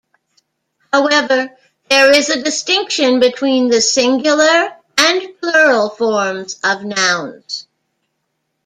However, there is a distinction between the singular and plural forms of nouns.